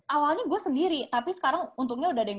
awalnya gue sendiri tapi sekarang untungnya udah ada yang